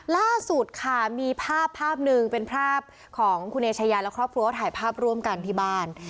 ล่าสุดค่ะมีภาพภาพหนึ่งเป็นภาพของคุณเอชายาและครอบครัวถ่ายภาพร่วมกันที่บ้าน